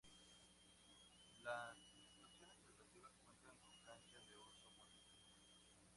Las instituciones educativas cuentan con canchas de usos múltiples.